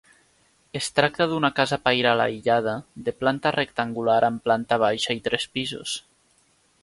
Es tracta d'una casa pairal aïllada de planta rectangular amb planta baixa i tres pisos.